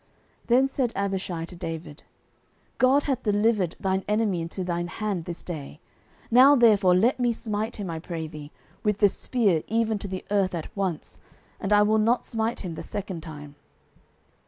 09:026:008 Then said Abishai to David, God hath delivered thine enemy into thine hand this day: now therefore let me smite him, I pray thee, with the spear even to the earth at once, and I will not smite him the second time.